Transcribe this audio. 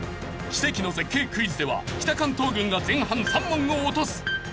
奇跡の絶景クイズでは北関東軍が前半３問を落とす。